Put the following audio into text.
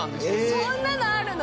そんなのあるの？